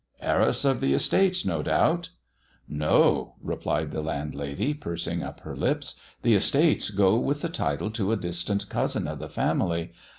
"Heiress to the estates, no doubt]" " No !" replied the landlady, piu'sing uj her lips ;" the estates go with the title to a distant cousin of the family.